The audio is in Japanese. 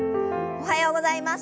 おはようございます。